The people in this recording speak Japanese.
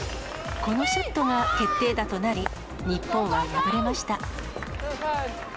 このショットが決定打となり、日本は敗れました。